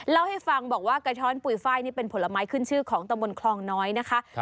เล่าให้ฟังบอกว่ากระช้อนปุ๋ยไฟล์นี่เป็นผลไม้ขึ้นชื่อของตะบนคลองน้อยนะคะ